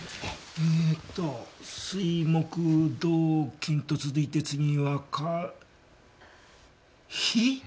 えーっと水木土金と続いて次は火火？